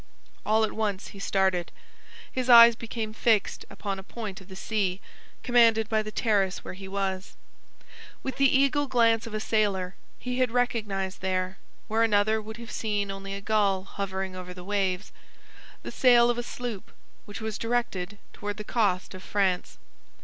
All at once he started. His eyes became fixed upon a point of the sea, commanded by the terrace where he was. With the eagle glance of a sailor he had recognized there, where another would have seen only a gull hovering over the waves, the sail of a sloop which was directed toward the coast of France.